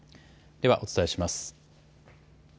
ではお伝えします。